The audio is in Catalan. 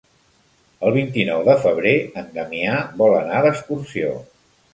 El vint-i-nou de febrer en Damià vol anar d'excursió.